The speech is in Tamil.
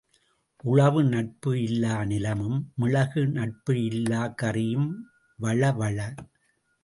உழவு நட்பு இல்லா நிலமும் மிளகு நட்பு இல்லாக் கறியும் வழ வழ.